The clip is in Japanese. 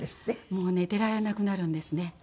もう寝てられなくなるんですね。